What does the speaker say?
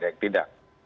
terima kasih pak alex